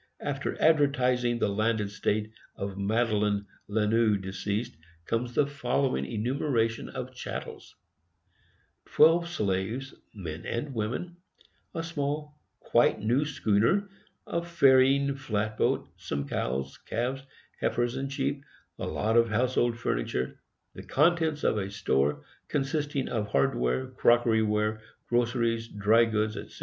After advertising the landed estate of Madeline Lanoux, deceased, comes the following enumeration of chattels: Twelve slaves, men and women; a small, quite new schooner; a ferrying flat boat; some cows, calves, heifers and sheep; a lot of household furniture; the contents of a store, consisting of hardware, crockery ware, groceries, dry goods, etc.